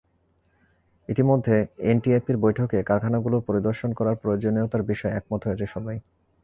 ইতিমধ্যে এনটিএপির বৈঠকে কারখানাগুলোর পরিদর্শন করার প্রয়োজনীয়তার বিষয়ে একমত হয়েছে সবাই।